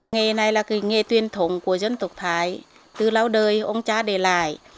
nghệ này là nghề tuyên thống của dân tộc thái từ lâu đời ông cha để lại